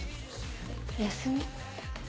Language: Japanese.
休み？